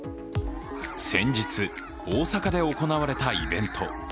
先日、大阪で行われたイベント。